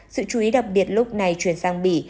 sự chú ý đặc biệt lúc này chuyển sang bỉ